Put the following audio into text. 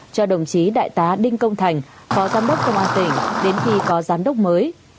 cho đồng chí đại tá đinh công thành phó giám đốc công an tỉnh đến khi có giám đốc mới